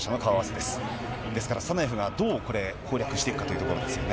ですからサナエフがどう攻略していくかということですよね。